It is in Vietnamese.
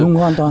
đúng hoàn toàn